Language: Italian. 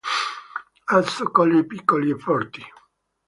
Ha zoccoli piccoli e forti.